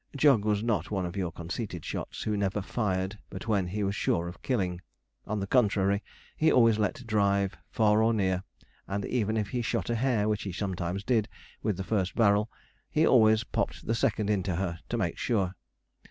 Jog was not one of your conceited shots, who never fired but when he was sure of killing; on the contrary, he always let drive far or near; and even if he shot a hare, which he sometimes did, with the first barrel, he always popped the second into her, to make sure.